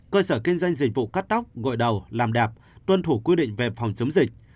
cơ sở kinh doanh dịch vụ cắt tóc gội đầu làm đẹp tuân thủ quy định về phòng chống dịch